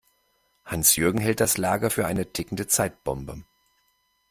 Hans-Jürgen hält das Lager für eine tickende Zeitbombe.